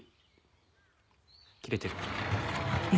切れてる。